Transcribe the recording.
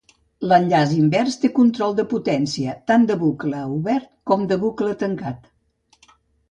L'enllaç invers té control de potència tant de bucle obert com de bucle tancat.